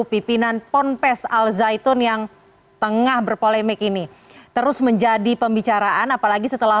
pimpinan ponpes al zaitun yang tengah berpolemik ini terus menjadi pembicaraan apalagi setelah